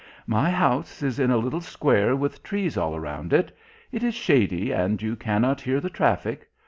"My house is in a little square with trees all around it; it is shady and you cannot hear the traffic.